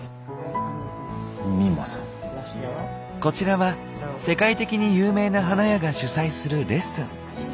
こちらは世界的に有名な花屋が主催するレッスン。